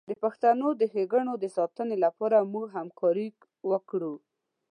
د پښتو د ښیګڼو د ساتنې لپاره موږ همکاري وکړو.